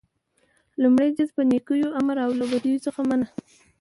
لومړی جز - په نيکيو امر او له بديو څخه منع: